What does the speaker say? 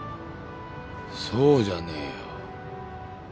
そうじゃねえよ。